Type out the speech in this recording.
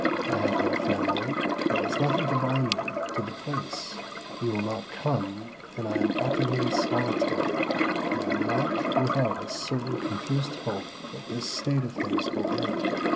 I have no family ; there is nothing to bind me to the place ; you will not come, and I am utterly solitary. I am not without a certain confused hope that this state of things will end.